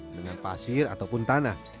dengan pasir ataupun tanah